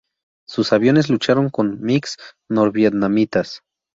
Sus aviones lucharon con MiGs norvietnamitas.